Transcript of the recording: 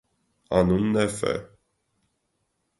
Անունն է ֆե։